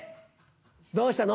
どうしたの？